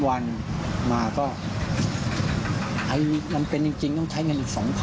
ไอ้มันเป็นจริงต้องใช้เงินอีก